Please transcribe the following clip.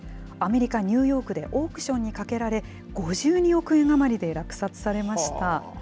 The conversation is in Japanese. アメリカ・ニューヨークでオークションにかけられ、５２億円余りで落札されました。